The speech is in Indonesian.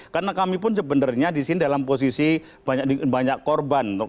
karena kami pun sebenarnya di sini dalam posisi banyak korban